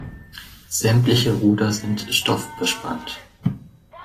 Sämtliche Ruder sind stoffbespannt.